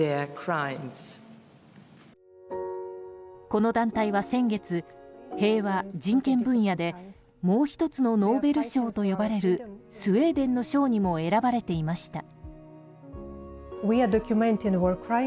この団体は先月平和・人権分野でもう一つのノーベル賞と呼ばれるスウェーデンの賞にも選ばれていました。